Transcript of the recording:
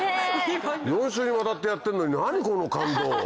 ４週にわたってやってるのに何この感動。